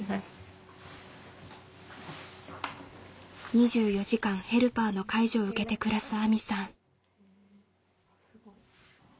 ２４時間ヘルパーの介助を受けて暮らすあみさん。